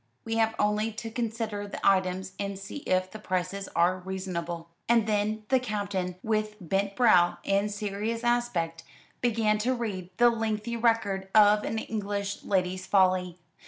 We have only to consider the items, and see if the prices are reasonable." And then the Captain, with bent brow and serious aspect, began to read the lengthy record of an English lady's folly.